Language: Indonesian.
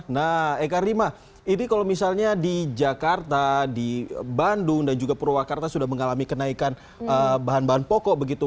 nah eka rima ini kalau misalnya di jakarta di bandung dan juga purwakarta sudah mengalami kenaikan bahan bahan pokok begitu